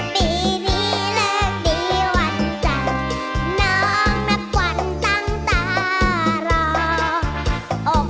ปีนี้เลิกดีวันจันทร์น้องนับวันตั้งตารอ